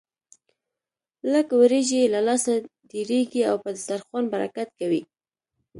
لږ وريجې يې له لاسه ډېرېږي او په دسترخوان برکت کوي.